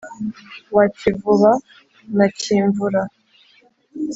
wa kivuba na cyimvura,